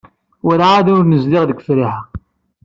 Werɛad ur nezdiɣ deg Friḥa.